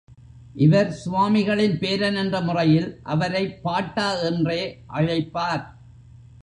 இவர் சுவாமிகளின் பேரன் என்ற முறையில் அவரைப் பாட்டா என்றே அழைப்பார்.